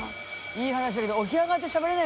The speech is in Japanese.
いい話だけどな。